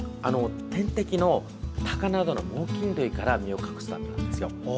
天敵のタカなどの猛きん類から身を隠すためなんです。